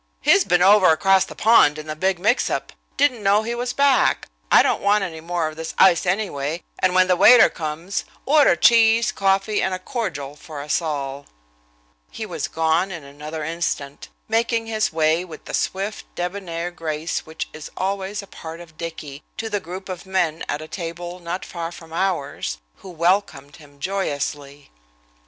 He's been over across the pond in the big mixup. Didn't know he was back. I don't want any more of this ice, anyway, and when the waiter comes, order cheese, coffee and a cordial for us all." He was gone in another instant, making his way with the swift, debonair grace which is always a part of Dicky, to the group of men at a table not far from ours, who welcomed him joyously.